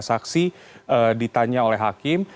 saksi ditanya oleh hakim